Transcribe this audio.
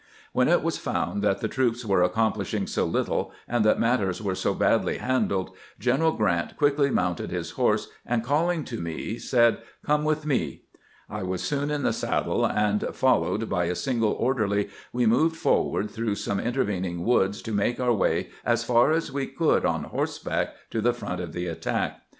When it was found that the troops were accomplish ing so little, and that matters were so badly handled, Gleneral Grant quickly mounted his horse, and calling to me, said, " Come with me." I was soon in the saddle, and, followed by a single orderly, we moved forward through some intervening woods, to make our way as far as we could on horseback to the front of the attack.